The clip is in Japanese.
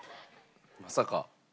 まさか。